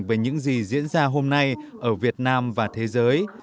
về những gì diễn ra hôm nay ở việt nam và thế giới